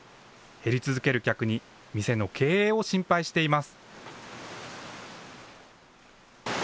減り続ける客に、店の経営を心配しています。